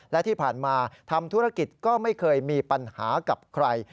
และที่ผ่านมาทำธุรกิจก็ไม่เคยมีปัญหากับใคร